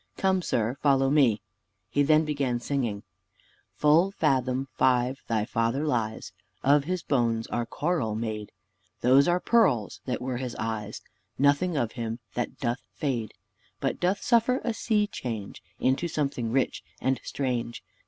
Come, sir, follow me." He then began singing, "Full fathom five thy father lies; Of his bones are coral made; Those are pearls that were his eyes: Nothing of him that doth fade But doth suffer a sea change Into something rich and strange.